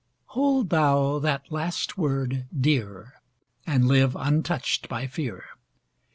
Hold thou that last word dear, And live untouched by fear.